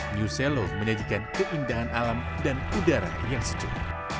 new selo menyajikan keindahan alam dan udara yang sejuk